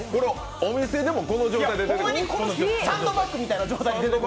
お店でもこの状態で出てくる？